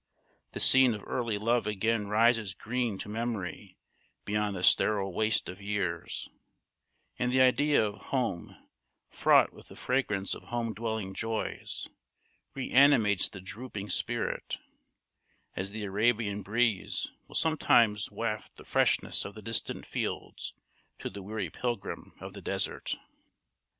The scene of early love again rises green to memory beyond the sterile waste of years; and the idea of home, fraught with the fragrance of home dwelling joys, re animates the drooping spirit, as the Arabian breeze will sometimes waft the freshness of the distant fields to the weary pilgrim of the desert.